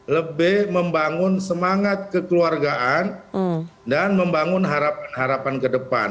lebih membangun semangat kekeluargaan dan membangun harapan harapan ke depan